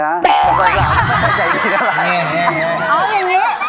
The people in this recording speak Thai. เอาอย่างงี้